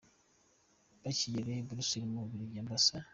Bakigera i Buruseli mu Bubiligi, Amb.